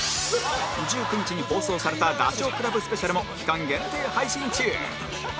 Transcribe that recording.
１９日に放送されたダチョウ倶楽部スペシャルも期間限定配信中！